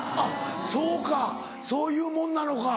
そうかそういうもんなのか。